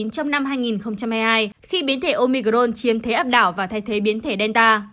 trong năm hai nghìn hai mươi hai khi biến thể omicron chiếm thế áp đảo và thay thế biến thể delta